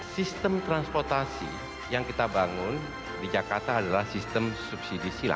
sistem transportasi yang kita bangun di jakarta adalah sistem subsidi silang